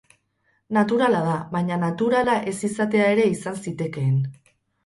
Naturala da, baina naturala ez izatea ere izan zitekeen.